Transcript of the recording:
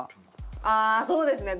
ああそうですね